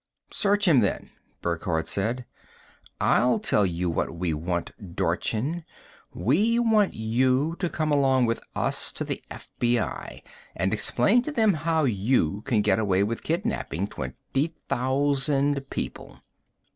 "Search him then," Burckhardt said. "I'll tell you what we want, Dorchin. We want you to come along with us to the FBI and explain to them how you can get away with kidnapping twenty thousand people."